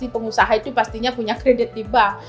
pengusaha itu pastinya punya kredit di bank